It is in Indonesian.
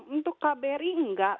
untuk kbri enggak